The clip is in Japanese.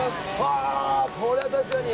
あこれは確かに！